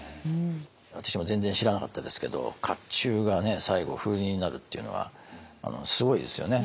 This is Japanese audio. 私も全然知らなかったですけど甲冑が最後風鈴になるっていうのはすごいですよね。